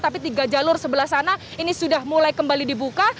tapi tiga jalur sebelah sana ini sudah mulai kembali dibuka